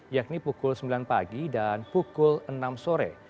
yakni pukul sembilan pagi dan pukul enam sore